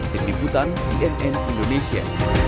tim liputan cnn indonesia